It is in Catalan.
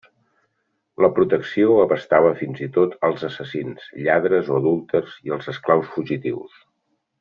La protecció abastava fins i tot als assassins, lladres o adúlters, i als esclaus fugitius.